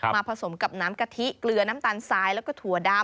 ผสมกับน้ำกะทิเกลือน้ำตาลทรายแล้วก็ถั่วดำ